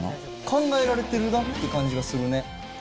考えられてるなって感じがするね。